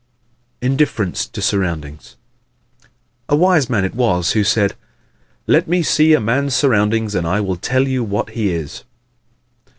Indifference to Surroundings ¶ A wise man it was who said, "Let me see a man's surroundings and I will tell you what he is."